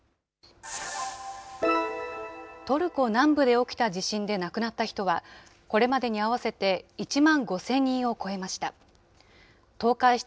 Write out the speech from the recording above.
トルコ南部で起きた地震で亡くなった人は、これまでに合わせて１万５０００人を超えました。